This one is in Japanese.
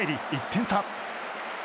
１点差。